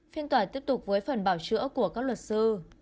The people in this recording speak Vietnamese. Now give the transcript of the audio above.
phiên tòa tiếp tục với phần bảo chữa của các luật sư